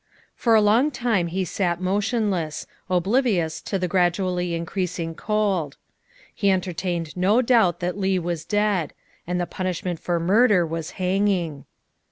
For a long time he sat motionless, * oblivious to the gradually increasing cold. He entertained no doubt that Leigh was dead and the punishment for murder was hanging.